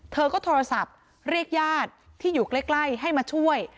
เธอก็โทรศัพท์เรียกญาติที่อยู่ใกล้ให้มาช่วย